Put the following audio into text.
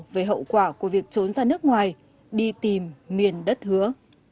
về hậu quả của việc trốn ra nước ngoài đi tìm miền đất hứa